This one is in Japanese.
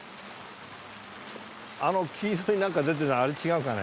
あの黄色いなんか出てるのあれ違うかね？